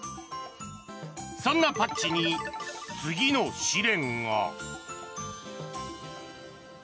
そんなパッチに次の試練が。